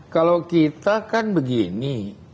kalau kita kan begini